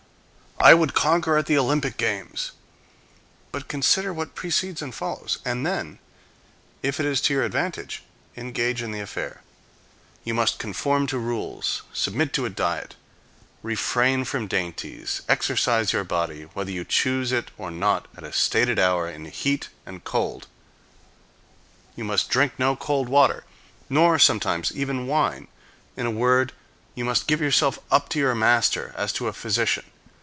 "I would conquer at the Olympic games." But consider what precedes and follows, and then, if it is for your advantage, engage in the affair. You must conform to rules, submit to a diet, refrain from dainties; exercise your body, whether you choose it or not, at a stated hour, in heat and cold; you must drink no cold water, nor sometimes even wine. In a word, you must give yourself up to your master, as to a physician.